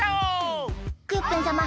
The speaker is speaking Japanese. クヨッペンさま